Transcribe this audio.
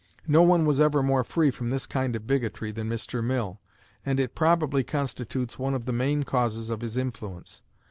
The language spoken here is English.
No one was ever more free from this kind of bigotry than Mr. Mill, and it probably constitutes one of the main causes of his influence.